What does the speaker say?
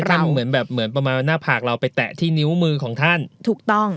เหมือนแบบเหมือนประมาณว่าหน้าผากเราไปแตะที่นิ้วมือของท่านถูกต้อง